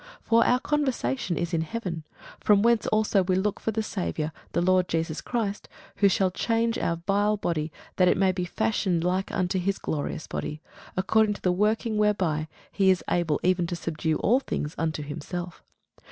For our conversation is in heaven; from whence also we look for the Saviour, the Lord Jesus Christ: who shall change our vile body, that it may be fashioned like unto his glorious body, according to the working whereby he is able even to subdue all things unto himself.